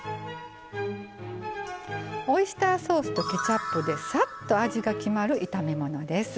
オイスターソースとケチャップでさっと味が決まる炒め物です。